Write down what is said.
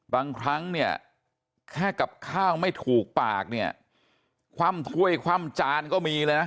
บางครั้งแค่กับข้าวไม่ถูกปากความถ้วยความจานก็มีเลยนะ